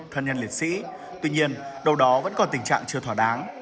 thân nhân liệt sĩ tuy nhiên đâu đó vẫn còn tình trạng chưa thỏa đáng